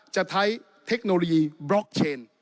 จะใช้เทคโนโลยีบล็อกเชน